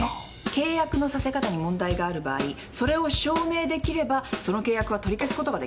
契約のさせ方に問題がある場合それを証明できればその契約は取り消すことができる。